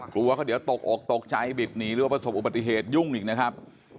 กลัวเขาเดี๋ยวตกอกตกใจบิดหนีหรือว่าประสบอุบัติเหตุยุ่งอีกนะครับ